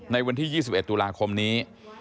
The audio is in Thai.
ในวันที่๒๑ตุลาคมนี้